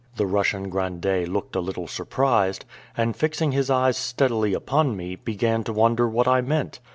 The Russian grandee looked a little surprised, and, fixing his eyes steadily upon me, began to wonder what I meant.